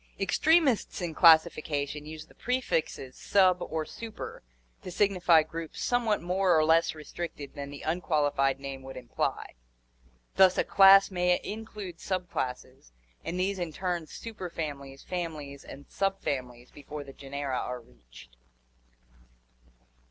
Extrem ists in classification use the prefixes sub or super to signify groups somewhat more or less restricted than the unqualified name would imply; thus, a class may include subclasses and these in turn super families, families, and subfamilies before the genera are reached.